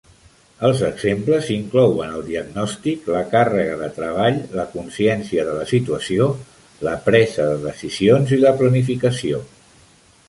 Els exemples inclouen el diagnòstic, la càrrega de treball, la consciència de la situació, la presa de decisions i la planificació.